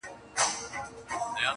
نه یې شرم وو له کلي نه له ښاره.!